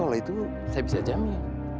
kalau itu saya bisa jamin